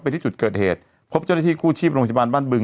ไปที่จุดเกิดเหตุพบเจ้าหน้าที่คู่ชีพลงจำันบ้านบึง